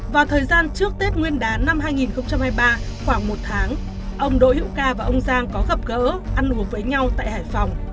vào thời gian trước tết nguyên đán năm hai nghìn hai mươi ba khoảng một tháng ông đỗ hữu ca và ông giang có gặp gỡ ăn uống với nhau tại hải phòng